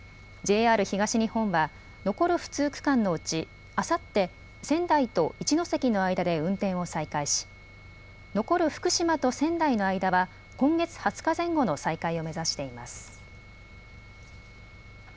ＪＲ東日本は残る不通区間のうちあさって仙台と一ノ関の間で運転を再開し残る福島と仙台の間は今月２０日前後の再開を目指しています。